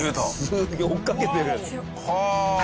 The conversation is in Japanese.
すげえ追っかけてる。